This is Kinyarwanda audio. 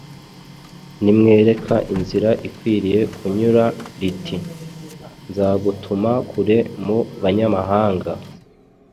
rimwereka inzira akwiriye kunyura riti: “Nzagutuma kure mu banyamahanga.”